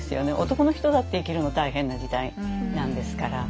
男の人だって生きるの大変な時代なんですから。